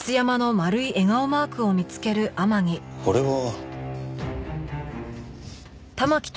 これは。